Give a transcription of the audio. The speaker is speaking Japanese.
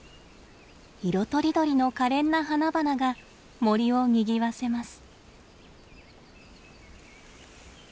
色とりどりのかれんな花々が森をにぎわせます。